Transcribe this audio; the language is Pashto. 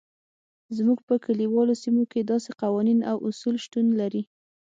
زموږ په کلیوالو سیمو کې داسې قوانین او اصول شتون لري.